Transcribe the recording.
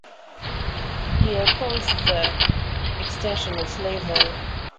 He opposed the extension of slavery.